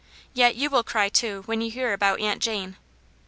Yet you will ciy, too, when you hear about Aunt Jane."